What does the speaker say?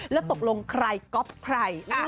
และตกลงใครก็ใคร